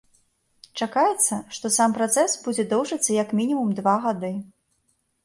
Чакаецца, што сам працэс будзе доўжыцца як мінімум два гады.